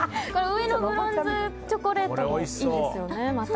上のブロンドチョコレートもいいんですよね。